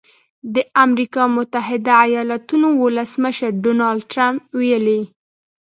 د امریکا متحده ایالتونو ولسمشر ډونالډ ټرمپ ویلي